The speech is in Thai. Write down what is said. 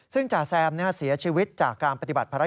ซึ่งจ่าแซมเสียชีวิตจากการปฏิบัติภารกิจ